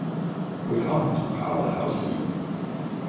會考唔同校內考試